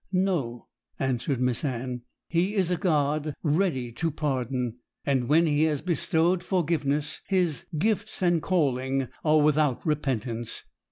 'No,' answered Miss Anne. 'He is a God "ready to pardon;" and when He has bestowed forgiveness, His "gifts and calling are without repentance."